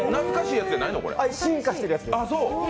進化してるやつです。